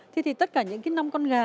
thì tất cả những năm con gà